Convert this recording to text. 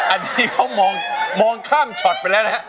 อันนี้เขามองข้ามช็อตไปแล้วนะฮะ